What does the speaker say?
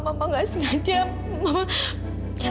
mama gak sengaja